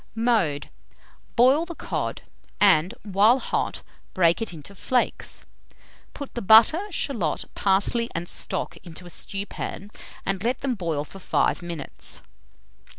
Mode. Boil the cod, and while hot, break it into flakes; put the butter, shalot, parsley, and stock into a stewpan, and let them boil for 5 minutes.